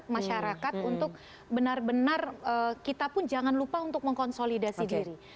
masyarakat untuk benar benar kita pun jangan lupa untuk mengkonsolidasi diri